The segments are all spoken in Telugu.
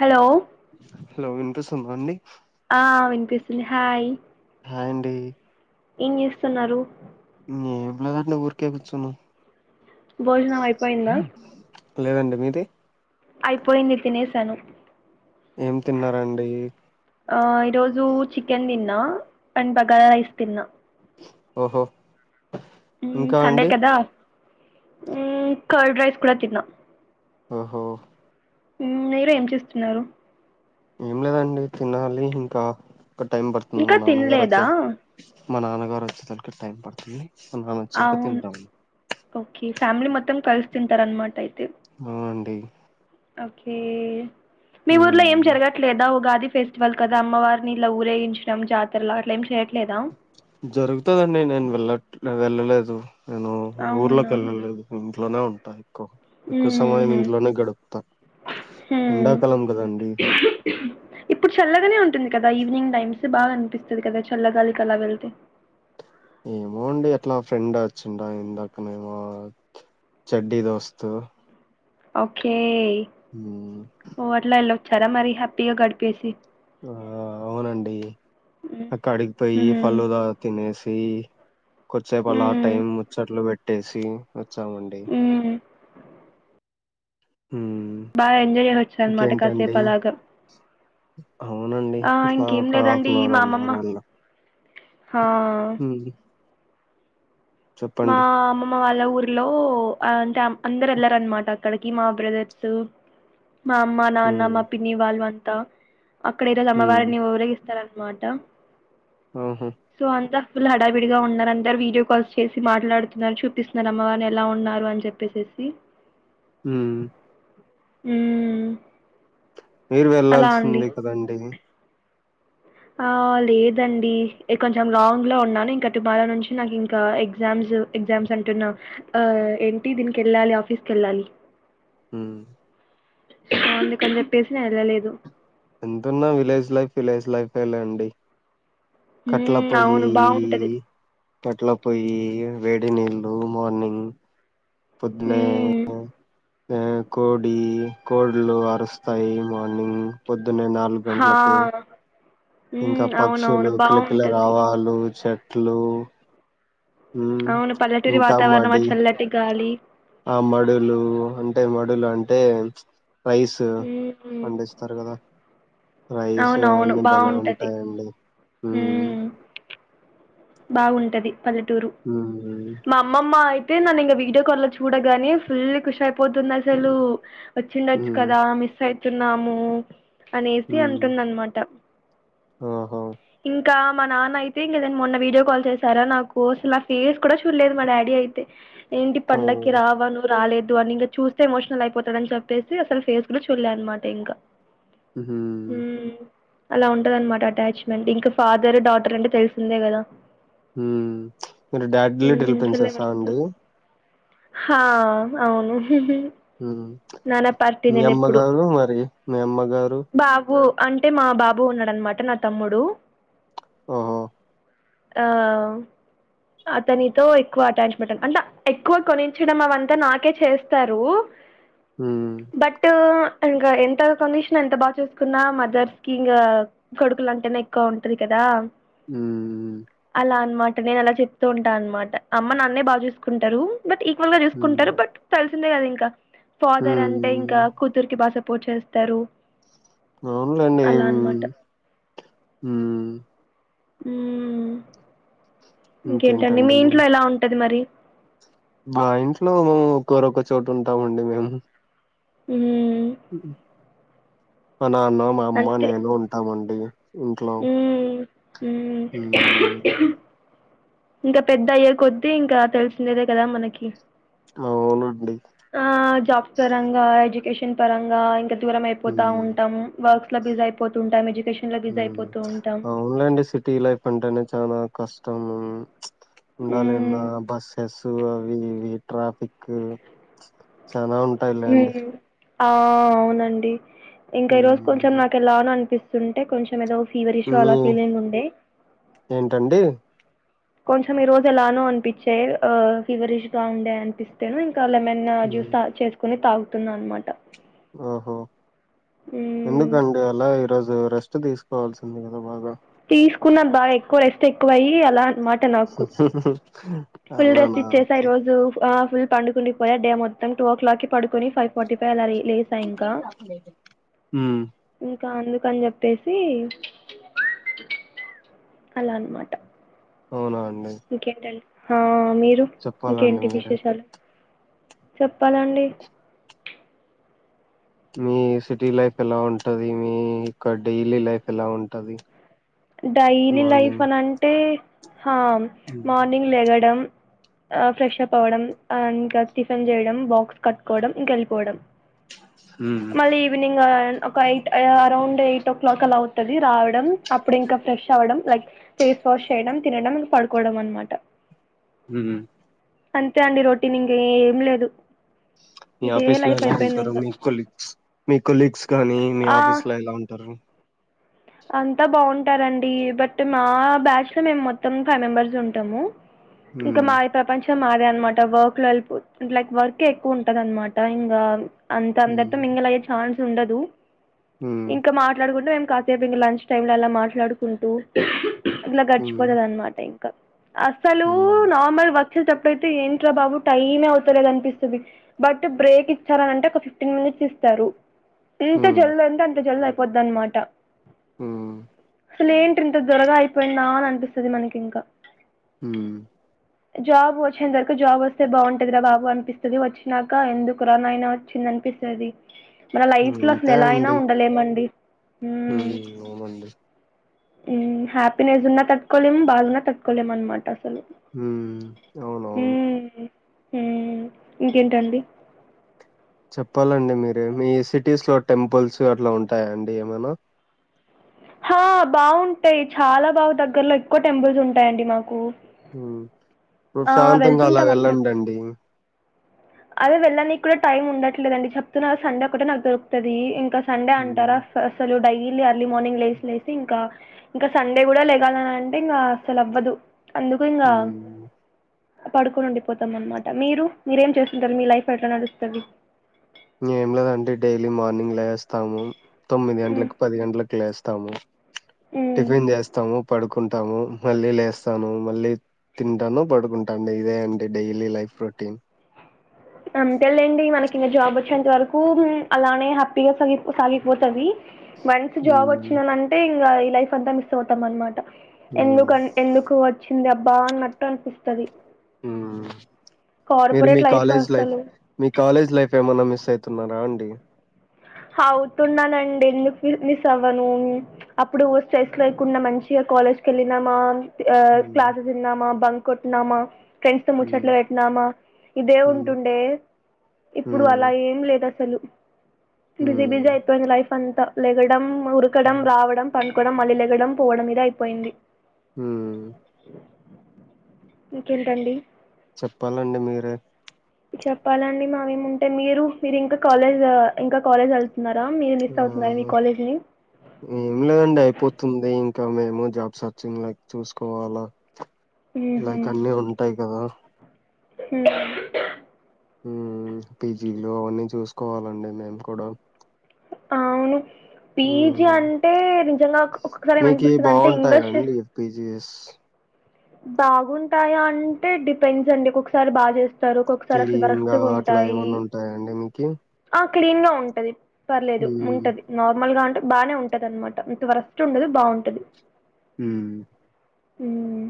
హలో హలో వినిపిస్తుందా అండి ఆ వినిపిస్తుంది హాయ్ హాయ్ అండి ఏం చేస్తున్నారు ఏం లేదండి ఊరికే కూర్చున్నా భోజనం అపోయిందా లేదండి మీది అయిపోయింది తినేసాను ఏం తిన్నారండి ఈరోజు చికెన్ తిన్నా అండ్ బగారా రైస్ తిన్నా ఓహో ఉ ఇంకా సండే అండి కదా ఉ కార్డ్ రైస్ కూడా తిన్నా ఓహో మీరు ఏం చేస్తున్నారు ఏం లేదండి తినాలి ఇంకా ఒక టైం పడుతుంది ఇంకా మా నాన్నగారు తినలేదా వచ్చారు మా నాన్నగారు వచ్చే తనికి టైం పడుతుంది మా నాన్న వచ్చాక అవును తింటాము ఓకే ఫ్యామిలీ మత్తం కలిసి తింటారు అన్మామా అయితే అ అండి ఓకే మీ ఊర్లో మ్మ్. ఏం జరగట్లేదా ఉగాది ఫెస్టివల్ కదా అమ్మవారిని ఇలా ఊరేగించడం జాతరలో అట్ ఏం చేయడం జరుగుతుందండి నేను వెళ్ళ వెళ్ళలేదు నేను ఊర్లోకి అవునా వెళ్ళలేదు ఇంట్లోనే ఉంటాను ఎక్కువ సమయం హుహు. ఇంట్లోనే గడుపుతా హ్మ్. ఎండాకాలం కదండి ఇప్పుడు చల్లగానే ఉంటుంది కదా ఈవినింగ్ టైమ్స్ బాగా అనిపిస్తుంది కదా చల్లగాలికి అలా వెళ్తే ఏమో అండి అట్లా ఫ్రెండ్ వచ్చిండ ఇందాకనే ఏమో చెడ్డి దోస్త్ ఓకే ఓ అట్లా వెళ్ళొచ్చారా మరి హ్యాపీగా గడిపేసి ఆ అవునండి హ్మ్. అక్క అడిగిపోయి హ్మ్. పళ్ళు ద తినేసి కొజచేపు అలా హ్మ్. టైం ముచ్చట్లు బెట్టేసి అత్ ఉహుహ్ హ్మ్ బాగా ఎంజాయ్ జీసోచర్ అన్మాట ఇంకేంటండి కాసేప్ పలాగా అవునండి ఆ ఇట్లా ఇంకేం ఒక హాఫ్ లేదండి అన్ అవర్ మా వన్ అవర్ అమ్మమ్మ అలా హాఆ హ్మ్ మా చెప్పండి. అమ్మమ్మ ఊ ఊర్లో ఆ అంటే ఆమ్ అందరుఏళ్లరన్నమాట అక్కడికి మా బ్రదర్సు మా అమ్మ నాన్న హ్మ్ మా పిన్ని వాళ్ళు అంతా అక్కడ ఈ రోస్ అమ్మ హ్మ్ వారిని ఊరేగి ఇస్తారన్ మాట ఆహా ఫుల్ హడావిడిగా ఉన్నర్ అందర్ వీడియో కాల్స్ చేసి మాట్లాడుతున్నారు చూపిసున్నారు అమ్మవని ఎలా ఉన్నారు అని జేప్పేసేసి ఉహుహ్ ఉహుహ్ మీర్ వెళ్లాల్సింది కదండి. ఆ లేదండి కొంచెం లాంగ్ లో ఉన్నాను. ఇంకా టుమారో నుంచి నాకు ఇంకా ఎగ్జామ్స్ జు ఎగ్జామ్స్ అంటున్నా. ఆ ఏంటి దీనికి వెళ్ళాలి ఆఫీస్క్ ఏళ్ళాలి. ఉహ్మ్ అందుకన్ జేప్పేసి నేన్ ఏళ్ళలేదు. ఎంతున్నా విలేజ్ లైఫ్ విలేజ్ లైఫె లేండి. కట్ల మ్మ్ అవును పోయియి బాగుంటది పట్ల పోయి వేడి నీళ్లు మార్నింగ్ ఉహు్ మ్య కోడి కొడళ్ళు అరుస్తాయి మార్నింగ్ పొద్ ద్దునే నాలుగ్ హా గంట్లకి ఇంకా ఉమ్ పక్షులు అవునవును కిలకిల బావుంటది రావాలు చెట్లు ఉమ్ అవును పల్లెటూరి వాతావరణం ఆ ఇంకామ్మాడి చల్లటి గాలి అమ్మడులు అంత్ టే మడుల్ అంటే రైసు ఉమ్ పండిస్తార్ గదా రైస్ అన్నమ్ బలే ఉంటాయండి. ఉహు్ బాగుంటది పల్లెటూరు మ్మ్ మా అమ్మమ్మ అయత్ తే నన్ ఇంగా వీడియో కాల్ లో చూడగానే ఫుల్ కుచ్చాప్ పోతుంది అసలు వచ్చిండొచ్చు మ్మ్ కదా మిస్ అయితున్నాము. అనేసి మ్మ్ అంటుందన్నమాట ఓహో ఇంకా మా నాన్న అయితే ఇంగా ఏదన్ మొన్న వీడియో కాల్ చేసారా నాక్ కొసులా నా ఫేస్ కూడా చూడలేదు మా డాడీ అయితే ఏంటి ఓ పండగకి రావా నువ్ రాలేద్ టూ అని ఇంగా చూస్తే ఎమోషనల్ అయిపోతాడ అన్ చెప్పేసి అసల్ ఫేస్ కూడా చూలే అనమాట ఇంకా ఉహుహ్ మ్మ్ అలా ఉంటది అనమాట అటాచ్మెంట్ ఇంకా ఫాదర్ డాటర్ అంటే తెలిసిందే కదా మీర్ డాడ్ లిటిల్ మ్మ్ ఫుల్ పిన్సేసా ఎమోషన్స్ అండి. హా అవును హ్మ్. నాన్న పార్టీ మీ నేన్ నేప్పుడు అమ్మగారు మరి? మీ అమ్మగారు? బాబు అంటే మా బాబు ఉన్నాడనమాట నా తమ్ముడు ఓహో ఆ అవ్ అతనితో ఎక్కువ అటాచ్మెంట్ అంటే ఎక్కువ కొనించడం అవంతా నాకే చేస్తారు. హ్మ్. బట్టు ఇంకా ఎంత కొనిష్ణా ఎంత బాగా చూసుకున్నా మదర్స్ కి ఇంకా కొడుకులు అంటేనే ఎక్కువ ఉంటది కదా హుహ్ అలా అన్మాట. నేను అలా చెప్తూ ఉంటా అన్మాట. అమ్మ నాన్నే బా చూసుకుంటారు. బట్ ఈక్వల్ గా చూసుకుంటారు. హ్మ్. బట్ తెలిసిందే కద ఇంక. ఫాదర్ అంటే హ్మ్. ఇంక కూతుర్కి బా స పోట్ చేస్తారు. అలా అవునులేండి. అనమాట మ్. మ్మ్. మ్. ఇంకేంటండి మీ ఇంట్లో ఎలా ఉంటది మరి? మా ఇంట్లో మేము ఒక్కోరొక చోటుంటామండీ. మేము. మ్ హ్మ్. నాన్న, మా అమ్మ, నేను ఉంటామండి. ఇంట్లో. మ్మ్ మ్. ఇంక పెద్దయ్యే కొద్ది ఇంక తెలిసిందే కదా మనకి. అవునండి. ఆ జాబ్స్ పరంగా, ఎడ్యుకేషన్ పరంగా ఇంక దూరం అయిపోతా హ్మ్. ఉంటాము. వర్క్ అట్ల బిజీ అయిపోతుంటాము. ఎజు మ్ అవున్ లేండి సిటీ లైఫ్ అంటేనే, చానా కష్టము. ఉండాలి అన్న మ్మ్ బస్సస్ అవి ఇవి ట్రాఫిక్ చాన ఉంటాయిలేండి. మ్మ్. ఆ అవునండి. ఇంకా ఈ రోజు కొంచెం మ్ నాకు ఎలానో అనిపిస్తుంటే కొంచెం ఏదో ఫీవరిష్ మీ అలా ఫీలింగ్ ఉండే. ఏంటండి కొంచెం ఈ రోజు ఎలానో అనిపిచ్చే. ఆ ఫీవరిష్ గా ఉండే అనిపిస్తేను ఇ క లెమన్ మ్ జ్యూస్ తా చేసుకొని తాగుతున్న అన్నమాట. ఓహో, మ్మ్ ఎందుకండి అలా ఈరోజు రెస్ట్ తీసుకోవాల్సింది కదా బాగా! తీసుకున్న బా ఎక్కువ, రెస్ట్ ఎక్కువయ్యి అలా అనమాట నాకు ఫుల్ అలాన రెస్ట్ ఇచ్చేసా ఓకె. ఈరోజు ఆ ఫుల్ పండుకుండిపోయ. డే మొత్తం. టూ ఓ క్లాకి పడుకొని ఫైవ్ ఫార్టీ పై అలా రి లేసా ఇంక. మ్ ఇంక అందుకని చెప్పేసి, అలా అన్నమాట. అవునా అండి ఇంకేంటండి? హా మీరు? చెప్పాలండి ఇంకేంటి మీరే విశేషాలు? చెప్పాలండి. మీ సిటీ లైఫ్ ఎలా ఉంటది? మీ క్క డైలీ లైఫ్ ఎలా ఉంటది? డైలీ లైఫ్ మార్నింగ్ అనంటే హా మార్నింగ్ లేగడం ఆ ఫ్రెష్ అప్ అవడం. ఆ ఇంకా టిఫెన్ చేయడం, బాక్స్ కట్టుకోవడం, ఇంక ఎళ్ళిపోవడం. మ్ మళ్ళీ ఈవినింగ్, ఆ ఒక eight around eight o'clock అలా అవుతది రావడం. అప్ ప్పుడు ఇంక ఫ్రెష్ అవ్వడం లైక్ ఫేస్ వాష్ చేయడం, తినడం, పడుకోవడం అనమాట. మ్ అంతే అండి రోటీన్ ఇంకేం లేదు. మీ ఇదే ఆఫీస్ లో లైఫ్ ఎలా అయిపోయింది ఉంటారు? ఇంకా మీ కొలీగ్స్, మీ కొలీగ్స్ కానీ, మీ ఆ, ఆఫీస్ లో ఎలా ఉంటారు? అంతా బాగుంటారండి. బట్ మా బ్యాచ్ లో మేము మొత్తం ఫైవ్ మెంబర్స్ ఉంటాము. ఇంక మ్ మా ఈ ప్రపంచ చం మాదే అనమాట. వర్క్ లో వెళ్ళిపో లైక్ వర్క్ ఎక్కువుంటది అనమాట. ఇంగ, అంత అందరితో హ్మ్ మింగిల్ అయ్యే ఛాన్స్ ఉండదు. హ్మ్ ఇంక మాట్లాడుకుంటే మేము కొంసేపు ఇంక లంచ్ టైమ్ లో అలా మాట్లాడుకుంటూ, ఇట్ల హ్మ్ గడిచిపోతది అనమాట ఇంక. అస్సలు హ్మ్ నార్మల్ వక్ సీల్ తప్పయితే ఏంట్ రా బాబు టైమే అవుత లేదు అనిపిస్తది, బట్ బ్రేక్ ఇచ్చారనంటే ఒక ఫిఫ్టీన్ మినిట్స్ ఇస్తారు. ఎంత హ్మ్ జల్ది అంటె అంత జల్ది అయిపోద్ అనమాట. మ్ అసలు ఏంటి ఇంత త్వరగా అయిపోయిందా, అని అనిపిస్తది మనకింక. మ్ జాబ్ వచ్చేంతవరకు జాబ్ వస్తే బాగుంటంది కదా అవు అనిపిస్తాది వచ్చినాక ఎందుకురా నాయన వచ్చింది అ అనిపిస్తుది మన లైఫ్ లో అసలు ఎలాయినా ఉండలేమండి ఉహ్మ్ అవునండి ఉమ్మ్ హ్యాపీనెస్ ఉన్నా తట్టుకోలేము బాదున్నా తట్టుకోలేం అనమాట ఉమ్మ్ అవునవును ఉమ్మ్ ఇంకేంటండి చెప్పాలండి మీరే మీ సిటీస్ లో టెంపుల్స్ అట్లా ఉంటాయాండి ఏమైనా ఆ బాగుంటాయి చాలా బాగు దగ్గరలో ఎక్కువ టెంపుల్స్ ఉంటాయంండి మాకు మ్మ్ ఆ! ప్రశాంతంగా అలా వెళ్తుంటాం వెళ్ళండి అప్పుడప్పుడు. అండి అదే వెళ్ళానికి కూడా టైమ్ ఉండట్లేదండి చెప్తున్నా సండే ఒకటే నాకు దొరుకుతాది ఇంకా సండే హ్మ్. అంటారా అస అసలు డైలీ అర్లీ మార్నింగ్ లేసి లేసి ఇంకా ఇంకా సండే కూడా లేగాలనంటే ఇంకా అసలు అవ్వదు అందుకు ఇంగ హ్మ్. పడుకొని ఉండిపోతాం అనమాట మీరు మీరేం చేస్త ఇంక మీ లైఫ్ ఎట్లా నడుస్తది ఏం లేదండి డైలీ మార్నింగ్ లేస్తాము తొమ్మిది హ్మ్. గంటలకి పది గంటలకి లేే స్తాము హ్మ్. టిఫిన్ చేస్తాము పడుకుం టాము మళ్ళీ లేస్తాను మళ్ళీ తింటాను పడుకుంటాండి ఇదే అండి డైలీ లైఫ్ రొటీన్ అంతేలేండి మనకి ఇంకా జాబ్ వచ్చేంత వరకు అలానే హ్యాపీగా సాగిపో సాగిపోతది వన్స్ జాబ్ హ్మ్. వచ్చిందనంటే ఇంగ ఈ లైఫ్ అంతా మిస్ అవుతాం అనమాట మ్మ్ ఎందుకు అన్ ఎందుకు వచ్చింది అబ్బా అన్నట్టు అనిపిస్తాది ఉమ్మ్ మీరు మీ కాలేజ్ లైఫ్ మీ కాలేజ్ లైఫ్ ఏమన్నా మిస్ అయితున్నారా అండి అవుతున్నానండి ఎందుకు మిస్ అవ్వను అప్పుడు స్ట్రెస్ లేకుండా మంచిగా కాలేజ్ కేళ్ళినామా ఆ మ్మ్ క్లాసెస్ విన్నామా బంక్ కొట్టిన్నామా ఫ్రెండ్స్ తో మ్మ్ ముచ్చట్లు పెట్నామా ఇదే మ్మ్ ఉంటుండే ఇప్పుడు అలా ఏం లేదు అసలు బిజీ బిజీ మ్మ్ అయిపోయింది లైఫ్ అంతా లెగడం ఉరకడం మ్మ్ రావడం పండు కొడం మళ్ళి లెగడం పోవడం ఇదే అయిపోయింది ఉమ్మ్ ఇంకేంటండి చెప్పాలండి మీరే చెప్పాలండి మావేముంటయ్ మీరు మీరు ఇంకా కాలేజ్ ఇంకా కాలేజ్ ఎళ్తు మ్మ్ ఏం లేదండి అయిపోతుంది ఇం కా మేము జాబ్ సెర్చింగ్ లైక్ చూసుకోవాలా లైక్ అన్ని ఉంటాయి కదా ఉమ్మ్ ఉమ్మ్ పీజీలు అవన్నీ చూసుకోవాలండి మేము కూడా ఆవును పీజి మ్మ్ అంటే నిజంగా ఒకొక్కసారి మీకి ఏమనిపిస్తది అంటే బాగుంటాయా ఇన్వెస్ అండి పీజీఎస్ బాగుంటాయా అంటే డిపెండ్స్ అండి ఒక్కొకసారి బాగా చే స్తారు ఒక్కొక్కసారి అసలు క్లీన్ వరస్ట్ గా అట్లా ఉంటాయి ఏమన్నా ఉంటాయా అండి మీకి అ క్లీన్ గా ఉంటది పర్లేదు మ్మ్ ఉంటది నార్మల్ గా బాగనే ఉంటదినమాట అంత వరస్ట్ ఉండదు బాగుంటది ఉమ్మ్ ఉమ్మ్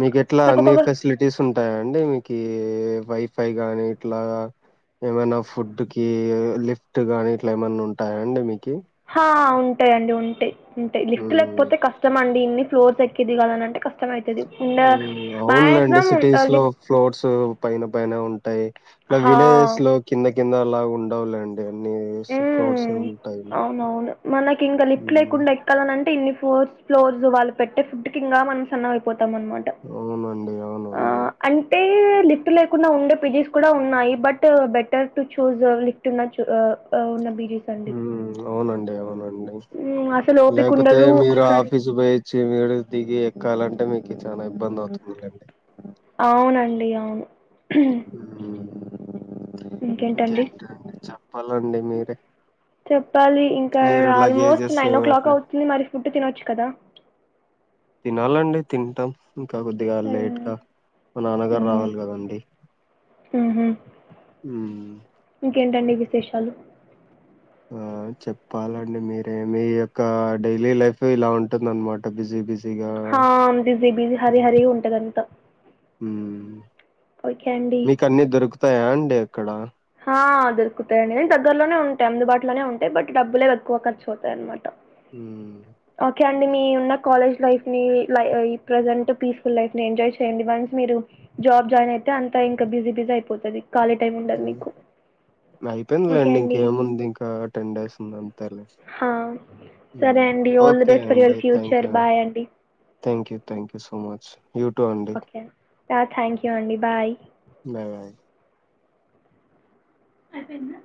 మీకేట్లా అన్ని ఫెసిలిటీస్ ఉంటాయా అండి మీ కి వైఫై గాని ఇట్లా ఏమైనా ఫుడ్ కి లిఫ్ట్ గానీ ఇట్లా ఏమన్నా ఉంటాయాండి మీ ఆ ఉంటాయండి ఉంటాయ్ ఉంటాయ్ లిఫ్ట్ హ్మ్ లేకపోతే కష్టంమ ఇన్ని ఫ్లోర్స్ ఎక్కి దిగాలి అని అంటే కష్టం అవుతుది ఉండా హ్మ్ అవునులేండి సిటీస్ లో ఫ్లోర్స్ పైన పైన ఉంటాయి ఇలా హా విలేజెస్ లో కింద కిందలా ఉండవులేండి అన్ని మ్మ్ ఫ్లోర్స్ ఉంటాయి అవునవును హ్మ్మ్ ఫోర్త్ ఫ్లోర్స్ వాళ్ళు పెట్టే ఫుడ్ కింకా మనం సన్నం అయిపోతునం న్నమాట అవునండి ఆ అవునండి అంటే లిఫ్ట్ లేకుండా ఉండే పీజీస్ కూడా ఉన్నాయి but better to choose lift నా ఆ ఆ ఉన్న బీ హ్మ్మ్ అవునండి అవునండి అవునండి హ్మ్. అసలు లేకపోతే ఓపికుండదు మీరు ఒక్కొక్కసారి. ఆఫీస్ పోయచ్చి మీరు దిగి ఎ క్కాలంటే మీకు చాలా ఇబ్బంది అవుతుంది లేండి అవునండి అవును హ్మ్ ఇంకేంటండి చెప్పాలండి మీరే చెప్పాలి ఇంకా మీరు almost luggages nine o'clock అట్లా అవుతుంది మరి ఫుడ్ తినచ్చు కదా తినాలండి తింటాం ఇంకా కొద్దిగా లేట్ హ్మ్. గా మా నాన్నగారు రావాలి కదండి హ్మ్మ్ హ్మ్మ్ ఇంకేంటండి విశేషాలు ఆ చెప్పాలండి మీరే మీ యొక్క డైలీ లైఫ్ ఇలా ఉంటుందన్నమాట బిజీ బిజీ హా అవును బిజి బిజిగా హరి హరి ఉంటదంతా హ్మ్మ్ ఒకే అండి యండి అక్కడ హా దొరుకుతాయండి నేను దగ్గరలోనే ఉంటాయి అందుబాటులోనే ఉంటాయి బట్ డబ్బులే ఎక్కువ ఖర్చుపోతాయి అనమాట. హ్మ్మ్ ఆండ్ మీ ఉన్న కాలేజ్ లైఫ్ ని ప్రజెంట్ పీస్ఫుల్ లైఫ్ ని ఎంజాయ్ చేయండి వన్స్ మీరు జాబ్ జాయిన్ అయితే అంతా ఇంకా బిజీ బిజీ అయిపోతుది ఖాళీ టై ఉండదు మీకు ఓకే అయిపోయిందిలేండి అండి. ఇంకేముంది ఇంకా టెన్ డేస్ ఉంది అంతే లే ఆ! సరే హ్మ్మ్ అండి. All the okay best for అండి యువర్ థ్యాంక్ ఫ్యూచర్. అండి bye thank thank you so much you too అండి ఓకే ఆ థ్యాంక్ యూ అండి బాయ్ బాయ్ బాయ్ అయిపోయిందా